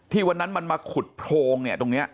ที่วันนั้นมันมาขุดโพงเนี่ยตรงเนี่ย